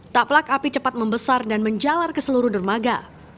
tak pelak api cepat membesar dan menjalar ke seluruh dermaga